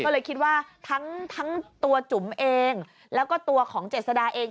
ก็เลยคิดว่าทั้งตัวจุ๋มเองแล้วก็ตัวของเจษดาเอง